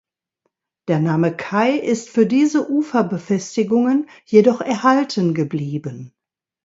Der Name Kai ist für diese Uferbefestigungen jedoch erhalten geblieben.